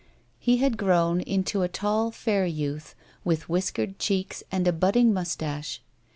He had grown into a tall, fair youth, with whiskered cheeks and a budding moustache.